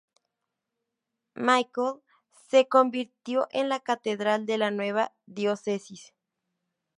Michael se convirtió en la catedral de la nueva diócesis.